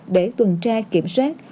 để tuần tra kiểm soát